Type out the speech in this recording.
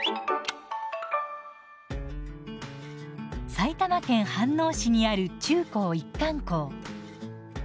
埼玉県飯能市にある中高一貫校。